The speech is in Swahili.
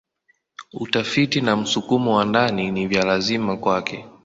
Utafiti na msukumo wa ndani ni vya lazima kwake.